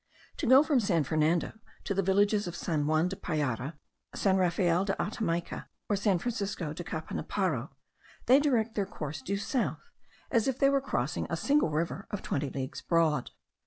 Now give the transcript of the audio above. To go from San Fernando to the villages of San Juan de Payara, San Raphael de Atamaica, or San Francisco de Capanaparo, they direct their course due south, as if they were crossing a single river of twenty leagues broad.